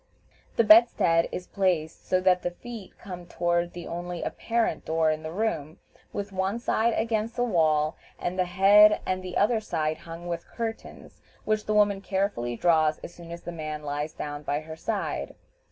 The bedstead is placed so that the feet come toward the only apparent door in the room, with one side against the wall, and the head and other side hung with curtains, which the woman carefully draws as soon as the man lies down by her side.